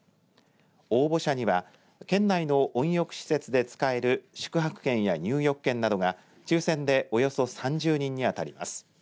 応募者には県内の温浴施設で使える宿泊券や入浴券などが抽せんでおよそ３０人に当たります。